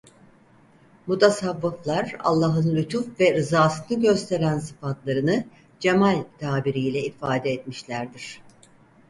Mutasavvıflar Allah'ın lütuf ve rızasını gösteren sıfatlarını "cemâl" tabiriyle ifade etmişlerdir.